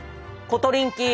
コトリンキー！